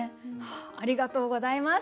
ありがとうございます。